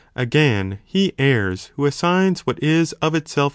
Again, (he errs,) who assigns what is of itself